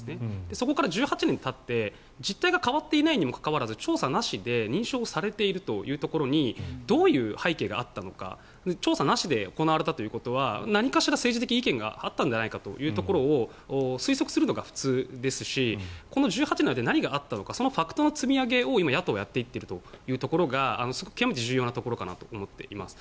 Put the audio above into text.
そこから１８年たって実態が変わっていないにもかかわらず調査なしで認証されているというところにどういう背景があったのか調査なしで行われたということは何かしら政治的意見があったんじゃないかということを推測するのが普通ですしこの１８年の間、何があったのかそのファクトの積み上げを今、野党はやっていっているというところが極めて重要なところかなと思います。